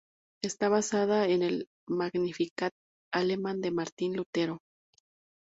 Está basada en el "Magnificat" alemán de Martín Lutero.